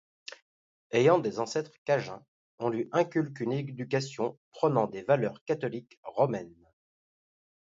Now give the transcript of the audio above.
Ayant des ancêtres cajuns, on lui inculque une éducation prônant des valeurs catholiques romaines.